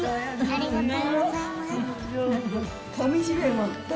ありがとう。